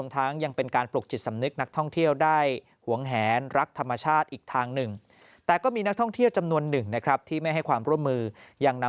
ทั้งยังเป็นการปลูกจิตสำนึกนักท่องเที่ยวได้หวงแหนรักธรรมชาติอีกทางนึง